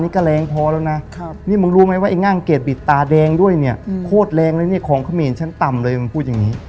เกรดบิดตาแดงด้วยเนี่ยโคตรแรงเลยเนี่ยของเขมรฉันต่ำเลยมันพูดอย่างนี้